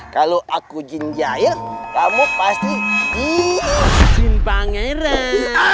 kalau aku jin jahil kamu pasti jin pangeran